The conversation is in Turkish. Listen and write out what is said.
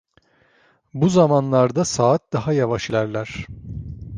Bu zamanlarda, saat daha yavaş ilerler.